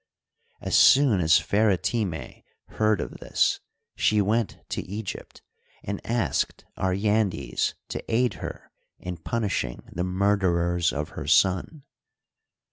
As soon as Pheretime heard of this she went to Egypt and asked Aryandes to aid her in punish ing the murderers of her son.